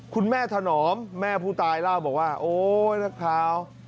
คุณแม่ถนอมแม่ผู้ตายเล่าบอกว่าโอ๊ยนักข่าว